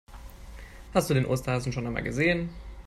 Hast du den Osterhasen schon einmal gesehen?